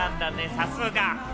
さすが！